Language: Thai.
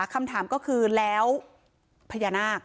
คำถามก็คือแล้วพญานาค